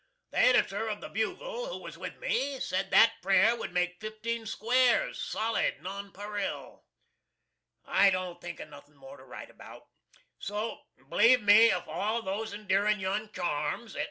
The Editor of the "Bugle," who was with me, sed that prayer would make fifteen squares, solid nonparil. I don't think of nothin' more to write about. So, "B'leeve me if all those endearing young charms," &c.